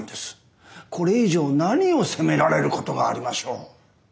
これ以上何を責められることがありましょう。